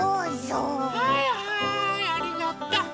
はいはいありがとう！